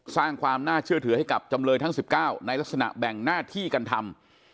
สร้างความน่าเชื่อถือให้กับจำเลยทั้ง๑๙ในลักษณะแบ่งหน้าที่กันทำ